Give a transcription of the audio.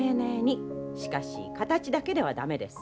しかし形だけでは駄目です。